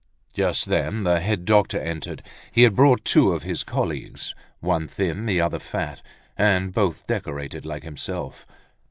Just then the head doctor entered. He had brought two of his colleagues—one thin, the other fat, and both decorated like himself.